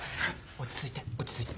落ち着いて落ち着いて。